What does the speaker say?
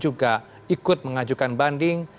juga ikut mengajukan banding